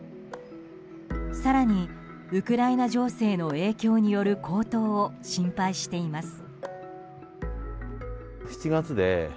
更に、ウクライナ情勢の影響による高騰を心配しています。